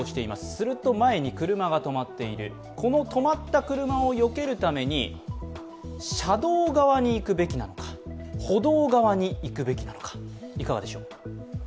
すると前に車が止まっている、この止まった車をよけるために車道側に行くべきなのか歩道側にいくべきなのか、いかがでしょう。